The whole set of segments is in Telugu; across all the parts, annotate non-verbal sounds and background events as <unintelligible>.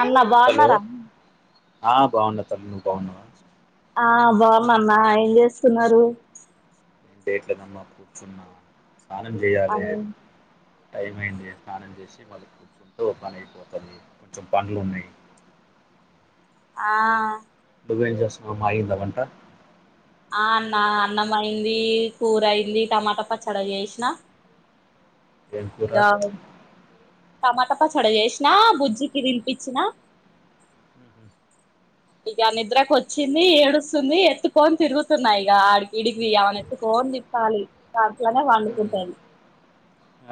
అల్లా హలో బోన్నారం ఆ బాగున్నా తల్లి నువ్వు బాగున్నావా ఆ బోన్నానా ఏం చేస్తున్నారు ఏం చేయట్లేదామా కూర్చున్నా స్నానం ఆ చేయాలే టైం అయింది స్నానం చేసి మళ్ళ కూర్చుంటె ఒక పనైపోతాది కొంచెం పంన్లున్నాయి ఆ నువ్వేం చేస్తున్నావ్ మా ఇళ్ళాలంట ఆ అన్నా అన్నం అయింది కూరయింది టమాటా పచ్చడ చెస్న ఎంకురా టమాటా పచ్చడ జేష్ణ బుజ్జికి తిన్పించిన ఇక నిద్రకొచ్చింది ఏడుస్తుంది ఎత్తుకొన్ తిరుగుతున్నాయిక ఆడికిడికి ఏమనైతుకోన్ తిప్పాలి దాంట్లోనే మ్మ్. పండుకుంటది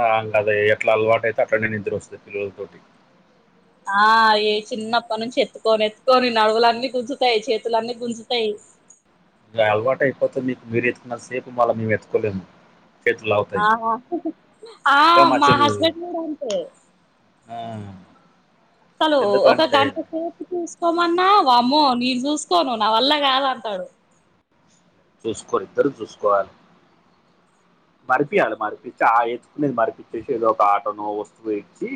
ఆ అల్కదే ఎట్లా అలవాటు అయితే అట్లనే నిద్ర వస్తంది పిల్లలతోటి ఆ ఏ చిన్నప్పటి నుంచి ఎత్తుకోని ఎత్తుకొని నడువులన్నీ గుంజుతాయి చేతులన్నీ గుంజుతాయి ఇంకాలవాటైపోతుంది మీరు ఎత్తుకున్నంత సేపు మళ్ళీ మేము ఎత్తుకోలేము చేతులు లాగుతాయి ఆ ఆ ఇంకా మా చెల్లి హస్బెండ్ కూడా అంతే ఆ అసలు ఒక ఎందుకంటే గంట సేపు చూసుకోమన్నా వామ్మో నేను చూసుకోను నా వల్ల కాదంటారు చూసుకోవలి ఇద్దరు చూసుకోవాలి మరిపియాలి మరిపించి ఆ ఎత్తుుకునేది మరిపించేసి ఏదోక ఆటోనుో వస్తువో ఇచ్చి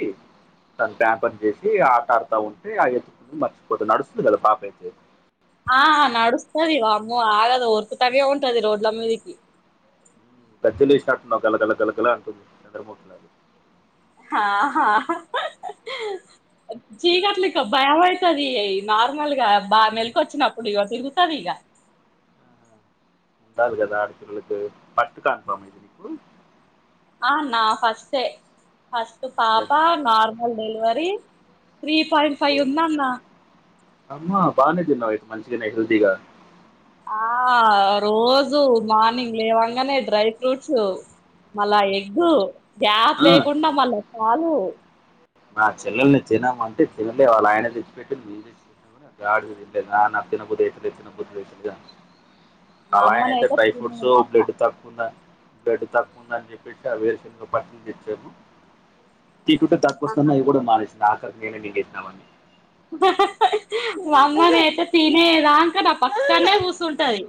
తను ప్యాంపర్ చేసి ఆట ఆడుతా ఉంటే ఆ ఎత్తుకు మర్చిపోతే నడుస్తుంది కదా పాపాతే ఆ నడుస్తుంది వామ్మో ఆగదు ఉరుకుతనే ఉంటది రోడ్ల మీదకి గజ్జలస్నేట్టున్నావ్ కలకలా కలకలా అంటుంది చంద్రముఖిలగా హాహాహ చీగట్లే ఇక భయం అయితది నార్మల్గా బా మెల్కొచ్చినప్పుడు ఇక తిరుగుతది ఇగ ఉండాలి కదా ఆడపిల్లలకి ఫస్ట్ కన్ఫమా ఇది నీకు ఆ నా ఫస్ట్టె ఫస్ట్ పాప నార్మల్ డెలివరి రి త్రీ పాయింట్ ఫైవ్ ఉందన్న అమ్మా బానే తిన్నావైతే మంచిగానే హెల్దీగా ఆ రోజు మార్నింగ్ లేవంగానే డ్రై ఫ్రూట్స్ మళ్ళా ఎగ్ గ్యాప్ ఆ, లేకుండా మళ్ళా పాలు నా చిల్లల్ని తిన్నమ్మా అంటే తినలే వాళ్ళ ఆయన తెచ్చిపెట్టి మేము తెచ్చిపే గాడిదగుడైనా నాకు తినబుద్దయితలేదు తినబుద్దయితలేదు అంటుంది మా ఆలయన ఐతే అమ్మనయితే డ్రై ఫ్రూట్స్ తినేదాకా బ్లాడ్ తక్కువుందని బ్లడ్ తక్కువ ఉందని చెప్పేటి <unintelligible> తెచ్చేరు తి కానీ అవి కూడా మానేసింది ఆఖరికి నేనే మిగ్గెసినవాన్ని హ హ వామ్మో నేనైతే తినేదాక నా పక్కనే కూసుంటాది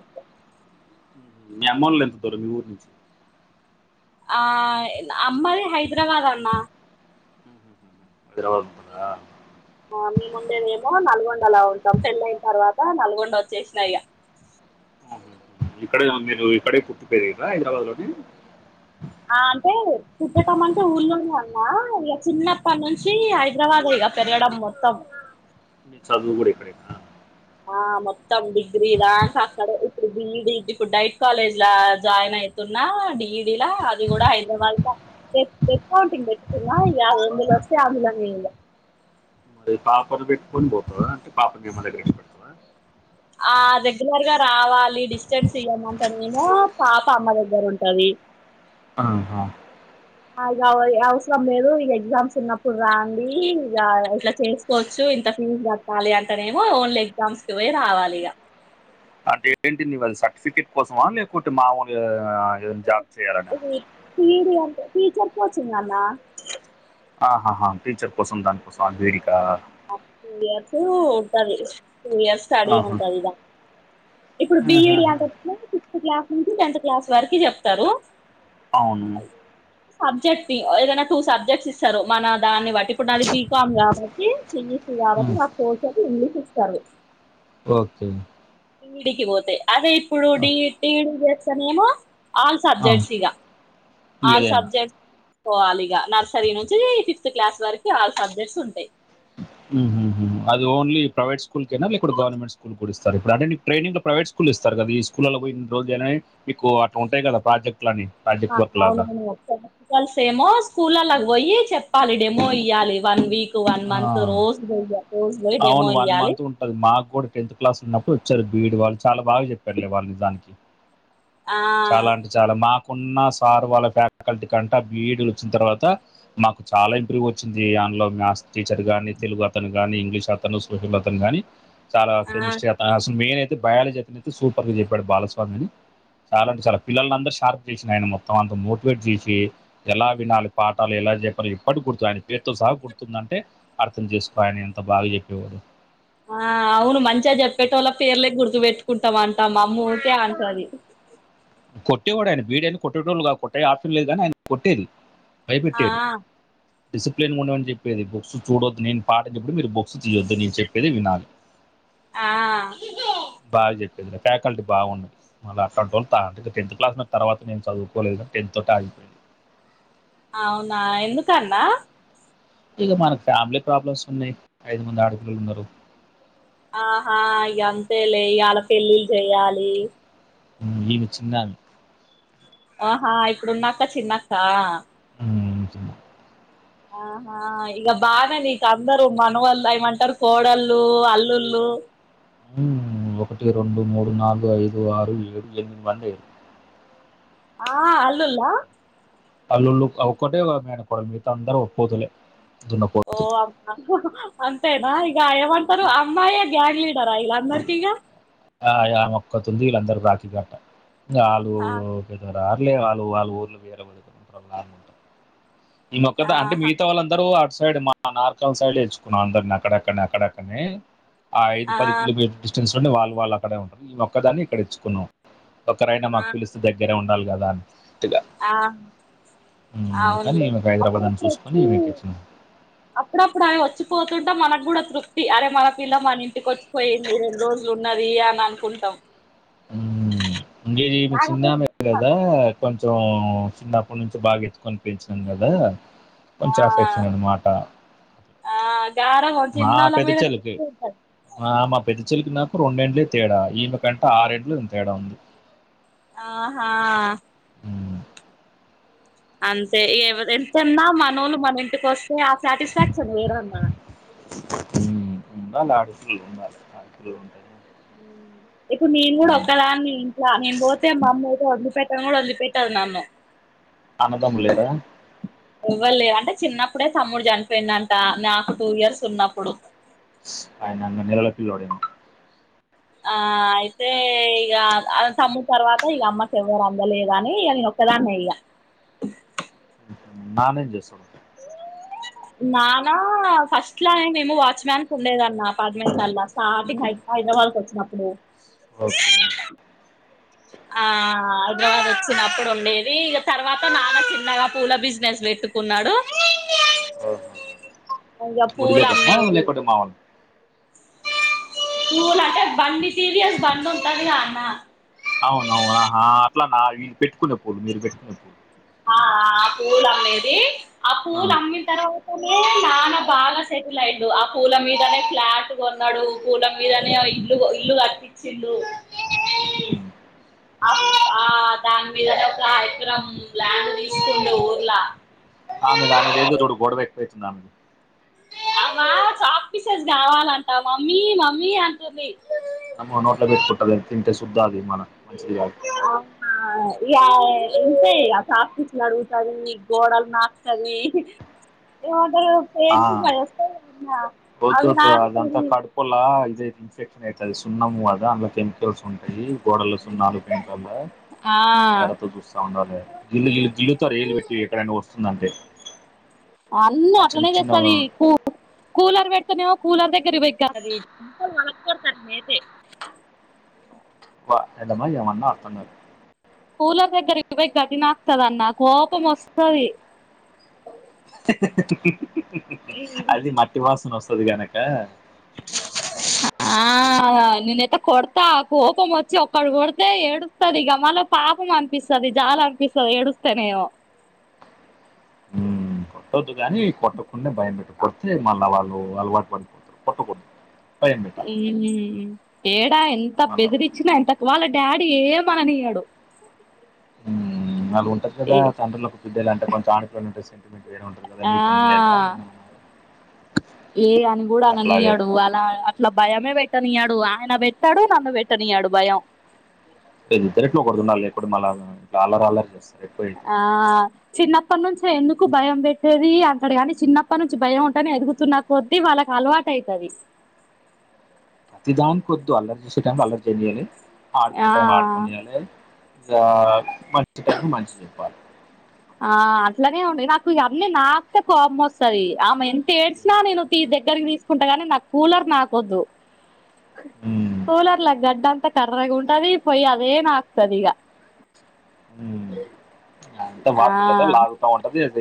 మీ అమ్మోలెత్తుతార మి ఊరు ఆ అమ్మది హైదరాబాద్ అన్న హైదరాబాదా ఆ మేము ఉండేదేమో నల్గొండలా ఉంటాం పెళ్ళయిన తర్వాత నల్గొండ వచ్చేసినా ఇగా ఇక్కడ మీరు ఇక్కడే పుట్టి పెరిగిరా హైదరాబాద్ లోనే ఆ అంటే పుట్టటం అంటే ఊర్లోనే అన్ ఇగా చిన్నప్పటి నుంచి హైదరాబాదే ఇగా పెరగడం మొత్తం చదువు కూడా ఇక్కడేనా ఆ మొత్తం డిగ్రీ దాంక అక్కడే ఇప్పుడు బిఈడి ఇప్పుడు డైట్ కాలేజ్ జాయిన్ అయ్ అయితున్నా బిఈడి ల అది కూడా హైదరాబాద్ వే వెబ్ కౌంటింగ్ పెట్టుకున్న ఇగ ఎందులో వస్తే అందులోనే పాపను పెట్టుకొని పోతావా పాపకి ఏమన్నా ఆ రెగ్యులర్ గా రావాలి డిస్టెన్స్ ఇయ్యమంట నేమో పాప అమ్మ దగ్గర ఉం టది ఆహ ఇగ అవసరం లేదు ఇగ ఎగ్జామ్స్ ఉన్నప్పుడు రాండి ఇగా ఇట్లా చేసుకోవచ్చు ఇంత ఫీజు కట్టాలి అంటనేమో ఓన్లీ ఎగ్జామ్స్ కి పోయి రావాలిగా అంటే ఏంటి నీవు అది సర్టిఫికేట్ కోసమా లేకుంటే ఈ మామూలుగా జాబ్ చేయాలనా ఇది టీడి అంటే టీచర్ కోచింగ్ అన్న ఆహహా టీచర్ కోసం దానికోసం బీడీకా టూ ఇయర్స్ ఉంటది టూ ఇయర్స్ స్టడీ ఆహా ఉంటదిగా ఇప్పుడు బిఈడి ఆహాహా. అంటేనేమో సిక్స్త్ క్లాస్ నుంచి టెన్త్ క్లాస్ వరకి చెప్తారు అవును సబ్జెక్ట్ ని ఏదైనా టూ సబ్జెక్ట్స్ ఇస్తారు మన దాన్ని బట్టి ఇప్పుడు నాది బీకామ్ కాబట్టి సీఈసీ కాబట్టి ఉమ్, నాకు కోర్స్ ఇంగ్లీష్ ఇస్తారు ఓకే బిఈడి కి పోతే అదే ఇప్పుడు ఆ, డిఈడి డిఈడి చేస్తేనేమో ఆల్ ఆ, సబ్జెక్ట్స్ ఈగా ఆల్ ఏదైనా సబ్జెక్ట్ పోవాలిగా నర్సరీ నుంచి ఫిఫ్త్ క్లాస్ వరకు ఆల్ సబ్జెక్ట్స్ ఉంటాయి అది ఓన్లీ ప్రైవేట్ స్కూల్ కేనా లేకుంటే గవర్నమెంట్ స్కూల్ ఇస్తారు ఇప్పుడు అంటే నీకు ట్రైనింగ్ లో ప్రైవేట్ స్కూల్ ఇస్తారు కదా ఈ స్కూళ్ల్లో పోయి ఇన్ని రోజులు చెయ్యలి అని మీకు అట్లా ఉంటాయి కదా ప్రాజెక్ అవునవును క్ల్ సేమో స్కూల్ లల్లా పోయి చెప్పాలి డెమో ఇయ్యాలి వన్ వీక్ వన్ ఆ మంత్ రోజు పోయి రోజు పోయి డెమో అవును వన్ ఇయ్యాలి మంత్ ఉంటది మాకు కూడా టెన్త్ క్లాస్ ఉన్నప్ వచ్చారు బీడీ వాళ్ళు చాలా బాగా చెప్పారులే వాళ్ళు నిజానికి ఆ చాలా అంటే చాలా మా కొన్న సార్ వాళ్ళ ఫ్యాకల్టీ కంటే బిడీలు వచ్చిన తర్వాత మాకు చాలా ఇంప్రూవ్ వచ్చింది అందులో మాథ్స్ టీచర్ గాని తెలుగు అతను గాని ఇంగ్లీష్ అతను సోషల్ అతను గాని చాలా ఆ కెమిస్ట్రీ అతను అసలు మెయిన్ అయ్ అయితే బయాలజీ అతను అయితే సూపర్గా చెప్పాడు బాలస్వామి అని చాలా అంటే చాలా పిల్లల్ని అందర్ షార్ప్ చేసినడు ఆయన మొత్తం అంత మోటివేట్ చేసి ఎలా వినాలి పాటాలు ఎలా ఎలా చెప్పాలి ఎప్పడు గుర్తు ఆయన పేరుతో సహ గుర్తుందంటే అర్థం చేసుకో ఆయన ఎంత బాగా చెప్పేవారో ఆ అవును మంచిగా చెప్పేటోళ్ల పేర్లే గుర్ పెట్టుకుంటాం అంటాం మా అమ్మ ఊకే అంటది కొట్టేవాడు ఆయన బీడీ కొట్టేటోళ్ళు కొట్టే ఆప్షన్ లేదు గాని ఆయన కొట్టేది ఆ భయపెట్టేడు డిసిప్లిన్ ఉండమని చెప్పేది బుక్స్ చూడొద్దు నేన్ పాఠం చెప్తే మీరు బుక్స్ తీయొద్దు నేను చెప్పేది వినాలి. ఆ బాగా చెప్పింద ఫ్యాకల్టీ బాగున్నా మళ్ళ అట్లాంటోల్ తా టెన్త్ క్లాస్న తర్వాత నేను చదువుకోలేదు. టెన్త్ తోటి ఆగిపోయింది. అవునా ఎందుకన్నా ఇగ మనకు ఫ్యామిలీ ప్రాబ్లమ్స్ ఉన్నయి. ఐదు మంది ఆడపిల్లలున్నరు. ఆహా ఇగ అంతేలే ఇగ ఆళ్ళ పెళ్ళిల్ చెయ్యాలి. ఈమె చిన్నామే. ఆహా ఇప్పుడున్నక చిన్నక్కా. మ్ ఆహా ఇగ బానే నీక అందరు మనవళ్ళు ఏమంటరు కోడళ్ళూ, అల్లుళ్ళు ఒకటి, రెండు, మూడు, నాలుగు, ఐదు, ఆరు, ఏడు, ఎనిమిది మంది ఆ అల్లుళ్ళా అల్లుళ్ళు అక్కటే మేనకోడలు మిగతా అందరూ పోతులే దున్నపోతు ఓ అ అం అంతేనా ఇగ ఏమంటరు అమ్మాయే గ్యాంగ్ లీడరా ఈళ్ళందరి ఇగ ఆ యా ఆమొక్కతుంది వీళ్ళందరూ రాకి కట్ట ఆళ్ళు ఆ పెద్ద రా ర్లే వాళ్ళు వాళ్ళు ఊర్ల వేర వదుకుంటంట ఈ మొక్కత్త ఆంటీ ఆహా మిగతా వాళ్ళందరూ అ సైడ్ మా నార్కల్ సైడ్ తెచ్చుకున్నా అందర్ని అక్కడక్కడ్నె అక్కడక్కడ్నే ఆ ఐదు పది కిలోమీటర్ డిస్టెన్స్లోనే వాళ్ళు వాళ్ అక్కడే ఉంటరు ఈ మొక్క దాన్నే ఇక్కడ ఇచ్చుకున్నాం. ఒక్కరైనా ఆ మాక్ పిలుస్తే దగ్గరే ఉండాలి కదా అన్ ఆ మ్ అందుకని అవునులే ఈమెకు హైదరాబాద్ అని అప్పుడప్పుడు చూస్కొని వచ్చి ఈమెకిచ్చినం. అప్పుడప్పుడు ఆమె వచ్చిపోతుంటే మనక్ గుడా తృప్తి అరే మన పిల్ల మన ఇంటికి వచ్చిపోయింది. రెండు రోజుల్ ఉన్నది అని అనుకుంటం. మ్ ఇంగ ఈమె రాకపోతే చిన్నామె గదా కొంచం చిన్నప్పట్ నుంచి బాగా ఎత్తుకొని పెంచినం గదా ఆ కొంచం అఫెక్షన్ అన్మాట. ఆ గారాబం మా చిన్నోళ్ళ పెద్ద మీదనే చెలికీ ఎక్కువ ఉంటది మా పెద్ద చెల్లికి నాకు రొండెండ్లే తేడా ఈమెకంటే ఆర్ ఏండ్లు తేడా ఉంది. ఆహా! ఉమ్. అంతే ఎవర్ ఎంతన్నా మనోళ్లు మన ఇంటికొస్తే ఆ సాటిస్ఫాక్షన్ వేరన్నా ఉండాలె ఆడపిల్లలు ఉండాలే ఆడపిల్లల్ ఉంటేనే ఇప్పుడు నేన్ గుడా బాగుంటది ఒక్కదాన్ని ఇంట్ల నేను పోతే మా అమ్మ <unintelligible> పెట్టను గుడా వదిలిపెట్టదు నన్ను. అన్నదమ్ముల్ లేరా? ఎవ్వలేర్ అంటే చిన్నప్పుడే తమ్ముడ్ చనిపోయిండంట నాకు టూ ఇయర్స్ ఉన్నప్పుడు ఆయన అన్న నెలల పిలువడే ఆ అయితే ఇగ తమ్ముడ్ తర్వాత ఇగ అమ్మక్ ఎవ్వర్ అందలేదని ఇగ నేన్ ఒ ఒక్కదాన్నే ఇగ నానేం చేస్తడు? నానా ఫస్ట్లయే మేము వాచ్ మ్యాన్క్ ఉండేదన్న అపార్ట్మెంట్లల స్టార్టింగ్ <unintelligible> సవాల్కి వచ్చినప్పుడు ఓకే ఆ హైదరాబాద్ వచ్చినప్పుడు ఉండేది ఇగ తర్వాత నాన్న చిన్నగా పూల బిజినెస్ ట్టుకున్నాడు ఓహో. ఇంగ గుడి పూలు దగ్గరనా అమ్మేది లేకుంటే మా వాళ్ళు పూలు అంటే బండి సీరియస్ బండి ఉంటదిగా అన్న అవునవునా అట్లా నా పెట్టుకునే పూలు మీరు పెట్టుకునే పూలు ఆ ఆ పూలు అమ్మేది ఆ పూలు అమ్మిన తర్వాతనే నాన్న బాగా సెటిల్ అయిండు ఆ పూల మీదనే ఫ్లాట్ కొన్నాడు పూల మీదనే ఇల్లు ఇల్లు ఇచ్చిండు ఉమ్. ఆ దాని మీదనే ఎకరం ల్యాండ్ తీసుకుండ ఊర్లా ఆమెది ఆమెద ఏదో చూడు గొడవ ఎక్కువైతుంది ఆమెది అమా చాక్ ఫీసెస్ కావాలంటా మమ్మీ మమ్మీ అంటుంది అమ్ నోట్ల పెట్ కొట్టద తింటే శుద్దాది మన మంచిది కాదు అవునా ఎ చట్ అడుగుతంది గోడలు నాకుతాంది ఎ పే ఆ, భస్ వద్దు వద్దు అదంతా కడుకోల్ ఇద ఇ ఇన్ఫెక్ట్ ట్ది సున్నము అదా అందులో కెమికల్స్ ఉన్నయి గోడలు సున్నాలు పెయింట్ వల్ల ఆ ఎరతో చూస్తా ఉండాలె జిల్లుల్ జిల్లుతో రైలు పెట్టి ఎక్కడైనా వస్తుందంటే అన్నీ ఆ చిన్న అట్లనే చిన్న చేస్తది కూ కూలర్ పెడుతేనే కూలర్ దగ్గర వక్కదితే వా ఎటమ్మా ఎవన్నా అర్థం కాదు కూలర్ దగ్గరకి పోయ్ గటిన కదా అన్న కోపమొస్తది అది మట్టి వాసన వస్తది గనక ఆ ఆ నేనైతే కొడతా కోపం వచ్చి ఒక్కడు కొడితే ఏడుస్తుంది ఇగ మళ్ల పాపం అనిపిస్తది జాల అనిపిస్తది ఎడుస్తనేమో కొట్టొద్దు కాని కొట్టకుండానే భయం పెట్టు కొడితే మళ్ళీ వాళ్ళు అలవాటు పడిపోతారు కొట్టకూడదు భయం పెట్టాలి ఉ తేడా ఎంత మళ్ళీ బెదిరిచినా ఎంతకు వాళ్ళ డాడీ ఏమననియ్యడు వాళ్ళు ఉంటది కదా తండ్రులకు బిడ్డలు అంటే కొంచం ఆడపిల్లలంటే సెంటిమెంట్ కేమంటరు కదా ఆ నీకు ఉండ లేదా ఏ అని కూడా అట్లాగే అననియ్యడు అలా అట్లా భయమే పెట్టనీయాడు ఆయన పెట్టడు నన్ను పెట్టనీయడు భయం డాలర్ ఆలర్ ఆ చిన్నప్ప నుంచి ఎందు భయం పెట్టేది అంటడు కాని చిన్నప్ప నుంచి భయం ఉంటనే ఎదుగుతున్నా కొద్దీ వాళ్ళకి అలవాటు అయితది ప్రతిదాని కొద్దు అల్లర్ చేసే టైం అల్లర్ చేయనియాలి ఆ ఆడుకునే టైం ఆడుకొనియాలి ఇగ మంచి టైంలో మంచి చెప్పాలి ఆ అట్లనే ఉండి నాకు ఇగ అన్నీ నాకే కోపం వస్తది ఆమె ఎంత ఏడ్చినా నేను తీ దగ్గ తీసుకుంట గాని నా కూలర్ నాకు వద్దు ఉమ్, కూలర్లు గడంత కర్రగ ఉంటది పోయ్ అదే నాకుతది ఈగ ఉమ్. అంత వాటరు కదా లాగుతా ఉంటది అ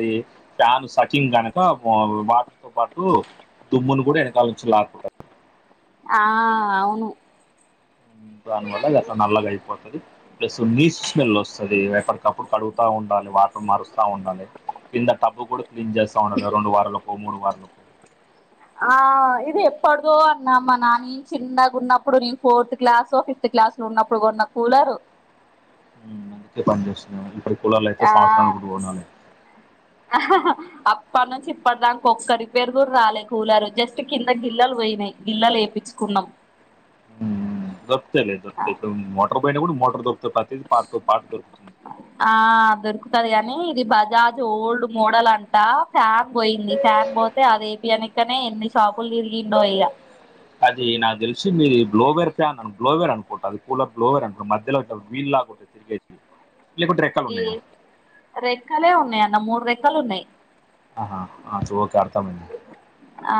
ఫ్యాన్ సచిన్ కనుక వ వాటర్ తో పాటు దుమ్మును కూడా వెనకాల నుంచి లాకుంటారు ఆ అవును దాని వల్లది అడ నల్లగా అయిపోతుది ప్లస్ నీస్ స్మెల్ వస్తుంది. ఎప్పటికప్పుడు కడుగుతా ఉండాల వాటర్ మరుస్తా ఉండాలి కింద టబ్బు కూడా క్లీన్ చేస్తా ఉండాలి. రెండు వారలకు మూడు వార ఆ ఇది ఎప్పడుదో అన్నామ్మా నాని చిన్నగా ఉన్నప్పుడు నేను ఫోర్త్ క్లాసో ఫిఫ్త్ క్లాసు లో ఉన్నప్పుడు కొన్న కూలరు అందుకే పని చేస్తున్నా ఇ ఆ అహ్హ్ అప్పటి నుంచి ఇప్పటి దాక ఒక్క రిపేరు కూడా రాలే కూలారు జస్ట్ కింద గిల్లలు పోయినాయి గిల్లలు ఏ ప్పిచ్చుకున్నాం హ దొరుతాయండి దొప్తా ఇప్పుడు మోటార్ బయిట కూడా మోటార్ దొరుకుతాయి. ప్రతిది పార్ట్ పాటు పార్ట్ దొరుకుతుంది. ఉంటది గాని ఇది బజాజ్ ఓల్డ్ మోడల్ అంట ఫ్యాన్ పోయింది ఫ్యాన్ పోతే అదిపి అనకనే ఎన్ని షాపులు తిరిగిండో ఇ్య అది నాకు తెలిసి మీది గ్లోవేర్ ఫ్యాన్ అను గ్లోవేర్ అనుకుంటా అది కూలర్ గ్లోవేర్ అనుకుంట మధ్యలో వీళ్ళ నాకొట తిరిగె అ ఈమ్ రెక్కలే ఉన్నాయి అన్న మూడు రెక్కలు ఉన్నాయి. ఆహా ఆ చువక అర్థమైంది. ఆ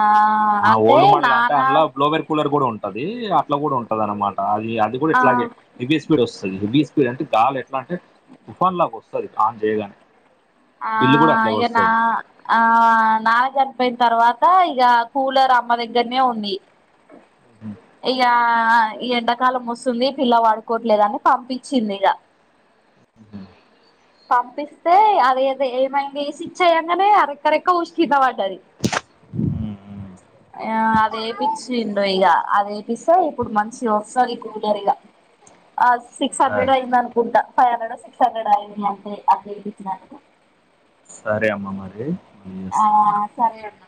ఆ అంటే ఓల్డ్ మోడల్ అంటే నాన్న అందుల గ్లోబర్ కూలర్ కూడా ఉంటది. అట్లా కూడా ఉంటది అనమాట అది అది కూడా ఆ ఇట్లా అగే హెవీ స్పీడ్ వస్తది. హెవీ తూ అంటే గాలి ఎట్లా అంటే తుఫాన్ లాగా వస్తది ఆన్ చేయగానే ఆ బిల్ కూడా అట్లాగే ఇగ నా వస్తది. ఆ నాంజ పోయిన తర్వాత ఇగ కూలర్ అమ్మ దగ్గరనే ఉంది హ్మ్. ఇగా ఆ ఈ ఎండాకాలం వస్తుంది పిల్ల వాడుకోవట్లేదని పంపించింది ఇగ ఊ పంపిస్తే అదదో ఏమైంది సిచ్చయంగానే అ రెక్కరెక్క ఊసుక్ కింద పడ్డది. హ్మ్. హ్మ్. చ ఆయ అది వేపిచ్చిండో ఇగ అది వేపిస్తే ఇప్పుడు మంచి వస్తది కూలర్ ఇగ అస్ సిక్స్ సరే. హండ్రెడ్ అయింద అనుకుంటా ఫైవ్ హండ్రెడ్, సిక్స్ హండ్రెడ్ అయింది అంటే అది ఎపిచ్చినందుకు. సరే అమ్మ మరి మళ్ళీ ఆ చేస్తా. సరే అన్న